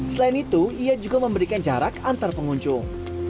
selain itu ia juga memberikan jarak antar pengunjung